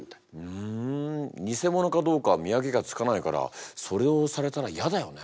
ふん偽ものかどうか見分けがつかないからそれをされたら嫌だよね。